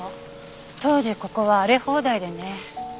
当時ここは荒れ放題でね。